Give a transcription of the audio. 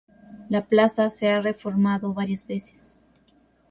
La plaza se ha reformado varias veces.